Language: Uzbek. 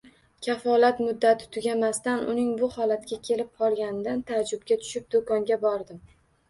Kafolat muddati tugamasdan uning bu holatga kelib qolganidan taajjubga tushib, do‘konga bordim.